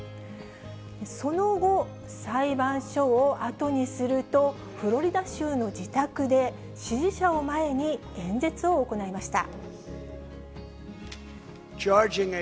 その後、裁判所を後にすると、フロリダ州の自宅で、支持者を前に演説を行いました。